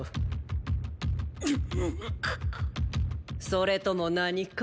それとも何か？